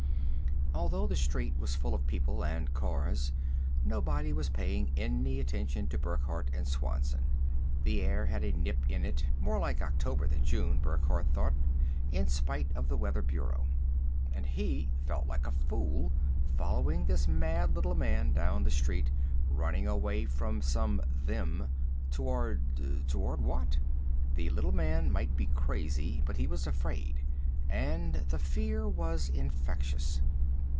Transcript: Although the street was full of people and cars, nobody was paying any attention to Burckhardt and Swanson. The air had a nip in it more like October than June, Burckhardt thought, in spite of the weather bureau. And he felt like a fool, following this mad little man down the street, running away from some "them" toward toward what? The little man might be crazy, but he was afraid. And the fear was infectious.